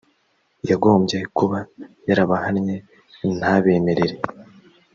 yagombye kuba yarabahannye ntabemerere